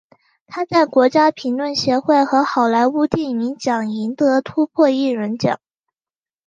他在国家评论协会和好莱坞电影奖赢得突破艺人奖。